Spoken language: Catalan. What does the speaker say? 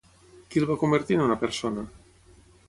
Qui el va convertir en una persona?